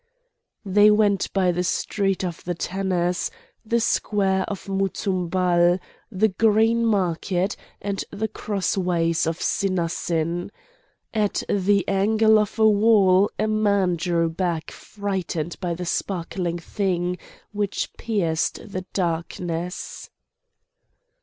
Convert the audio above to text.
They went by the street of the Tanners, the square of Muthumbal, the green market and the crossways of Cynasyn. At the angle of a wall a man drew back frightened by the sparkling thing which pierced the darkness.